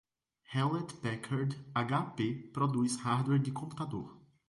Hewlett-Packard (HP) produz hardware de computador.